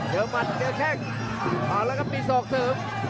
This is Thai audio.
เดี๋ยวมัดเดี๋ยวแค่งเอาแล้วกับมีสอกเสริม